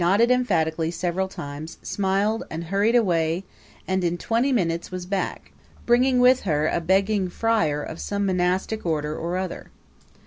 Then she nodded emphatically several times, smiled and hurried away and in twenty minutes was back, bringing with her a begging friar of some monastic order or other.